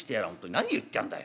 何言ってやんだい。